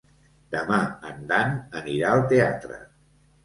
Demà en Dan anirà al teatre.